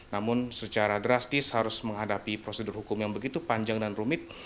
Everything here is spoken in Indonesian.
namun secara drastis harus menghadapi prosedur hukum yang begitu panjang dan rumit